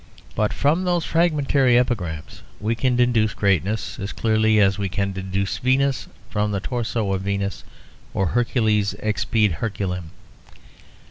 But from those fragmentary epigrams we can deduce greatness as clearly as we can deduce Venus from the torso of Venus or Hercules ex pede Herculem.